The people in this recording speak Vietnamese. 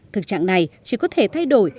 thực trạng này chỉ có thể thay đổi